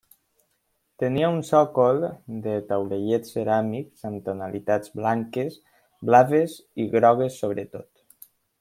Tenia un sòcol de taulellets ceràmics amb tonalitats blanques, blaves i grogues sobretot.